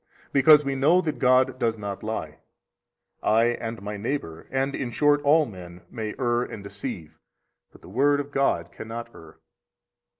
Because we know that God does not lie. I and my neighbor and, in short, all men, may err and deceive, but the Word of God cannot err.